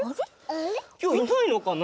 きょういないのかな？